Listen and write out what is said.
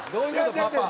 パパ。